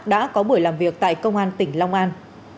đã có buổi làm việc tại công an tỉnh long an